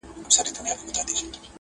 د هر چا چي وي په لاس کي تېره توره!